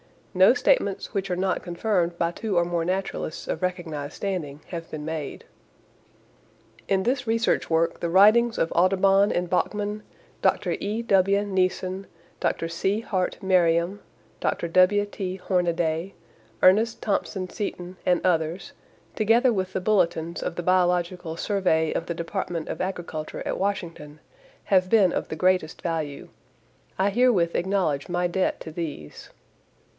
No statements which are not confirmed by two or more naturalists of recognized standing have been made. In this research work the writings of Audubon and Bachman, Dr. E.W. Neson, Dr. C. Hart Merriam, Dr. W.T. Hornaday, Ernest Thompson Seton and others, together with the bulletins of the Biological Survey of the Department of Agriculture at Washington, have been of the greatest value. I herewith acknowledge my debt to these.